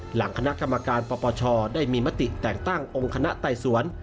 หลังคณะกรรมการปปชได้มีมติแต่งตั้งองค์คณะไต่สวน